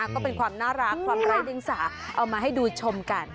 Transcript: ก็เป็นความน่ารักความไร้เดียงสาเอามาให้ดูชมกัน